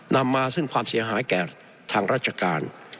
นำมาซึ่งความเสียหายแก่ทางราชการ